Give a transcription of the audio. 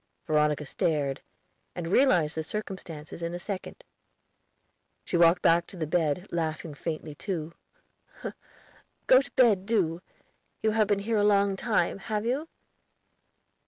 Veronica stared, and realized the circumstances in a second. She walked back to the bed, laughing faintly, too. "Go to bed, do. You have been here a long time, have you?"